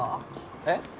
えっ？